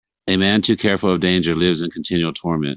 A man too careful of danger lives in continual torment.